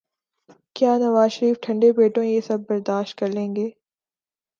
کیا نوازشریف ٹھنڈے پیٹوں یہ سب برداشت کر لیں گے؟